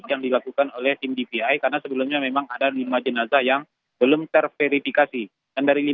yang telah luar surat tvi karena sebelumnya memang ada pathogen a yang belumx cumplikasi dan dari